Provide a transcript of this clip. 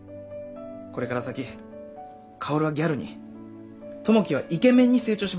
これから先薫はギャルに友樹はイケメンに成長します。